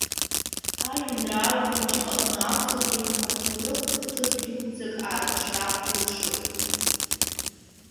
Ажәеинраала хәыҷык аҟны акәзаргьы, ҭоурыхтә хҭыс дуӡӡак аарԥшра илшоит.